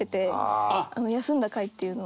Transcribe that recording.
休んだ回っていうの。